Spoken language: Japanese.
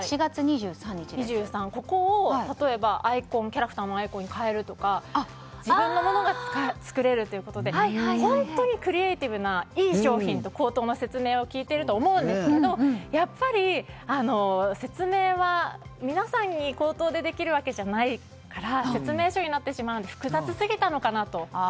ここを例えばキャラクターのアイコンに変えるとか自分のものが作れるということでクリエーティブないい商品だと口頭の説明を聞いていると思うんですがやっぱり説明は皆さんに口頭でできるわけじゃないから説明書になってしまうので複雑すぎたのかなと。